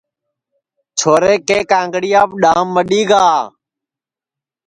چھورے کے کانٚڑیاپ ڈؔام مڈؔی گا